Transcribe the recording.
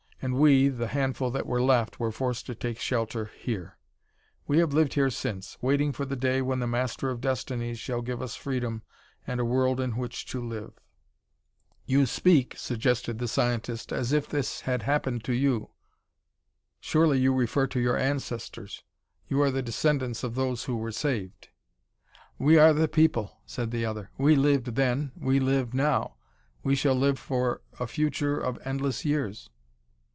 And we, the handful that were left, were forced to take shelter here. We have lived here since, waiting for the day when the Master of Destinies shall give us freedom and a world in which to live." "You speak," suggested the scientist, "as if this had happened to you. Surely you refer to your ancestors; you are the descendants of those who were saved." "We are the people," said the other. "We lived then; we live now; we shall live for a future of endless years.